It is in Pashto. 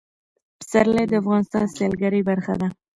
پسرلی د افغانستان د سیلګرۍ برخه ده.